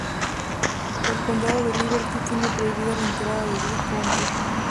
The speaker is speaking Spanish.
El Condado de Liberty tiene prohibida la entrada de dry county..